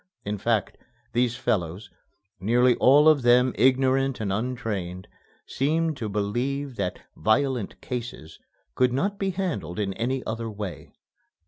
In fact, these fellows nearly all of them ignorant and untrained seemed to believe that "violent cases" could not be handled in any other way.